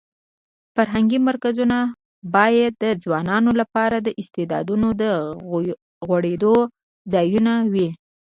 فرهنګي مرکزونه باید د ځوانانو لپاره د استعدادونو د غوړېدو ځایونه وي.